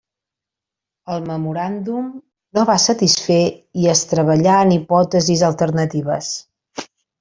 El memoràndum no va satisfer i es treballà en hipòtesis alternatives.